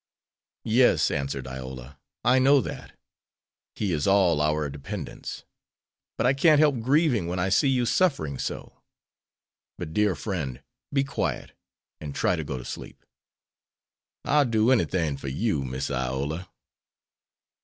"Yes," answered Iola, "I know that. He is all our dependence. But I can't help grieving when I see you suffering so. But, dear friend, be quiet, and try to go to sleep." "I'll do enythin' fer yer, Miss Iola."